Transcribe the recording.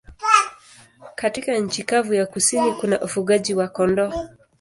Katika nchi kavu ya kusini kuna ufugaji wa kondoo.